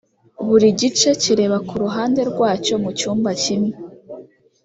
buri gice kireba ku ruhande rwacyo mu cyumba kimwe